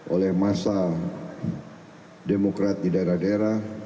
oleh masa demokrat di daerah daerah